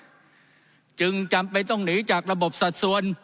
ตกด้วยจึงจำไปต้องหนีจากระบบสัดส่วน